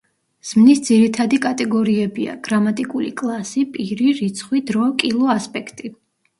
ზმნის ძირითადი კატეგორიებია: გრამატიკული კლასი, პირი, რიცხვი, დრო, კილო, ასპექტი.